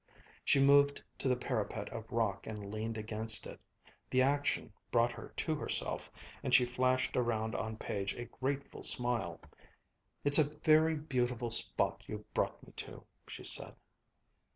She moved to the parapet of rock and leaned against it. The action brought her to herself and she flashed around on Page a grateful smile. "It's a very beautiful spot you've brought me to," she said.